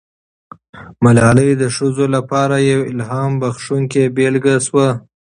ملالۍ د ښځو لپاره یوه الهام بښونکې بیلګه سوه.